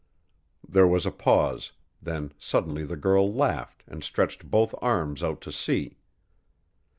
There was a pause, then suddenly the girl laughed and stretched both arms out to sea.